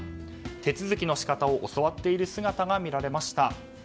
手続きの仕方を教わっている姿が見られました。